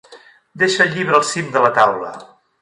Deixa el llibre al cim de la taula.